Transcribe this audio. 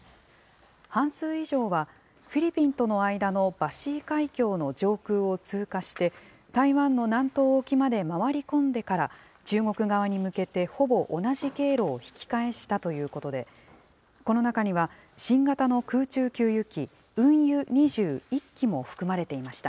半数以上はフィリピンとの間のバシー海峡の上空を通過して、台湾の南東沖まで回り込んでから、中国側に向けてほぼ同じ経路を引き返したということで、この中には、新型の空中給油機、運油２０、１機も含まれていました。